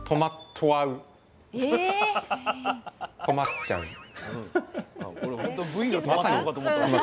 止まっちゃう。